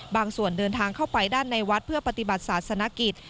ส่วนเดินทางเข้าไปด้านในวัดเพื่อปฏิบัติศาสนกิจ